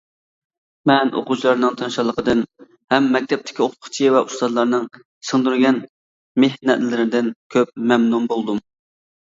مەن ئوقۇغۇچىلارنىڭ تىرىشچانلىقىدىن، ھەم مەكتەپتىكى ئوقۇتقۇچى ۋە ئۇستازلارنىڭ سىڭدۈرگەن مېھنەتلىرىدىن كۆپ مەمنۇن بولدۇم.